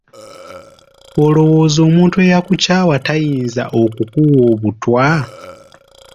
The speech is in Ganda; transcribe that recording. Olowooza omuntu eyakukyawa tayinza okukuwa obutwa?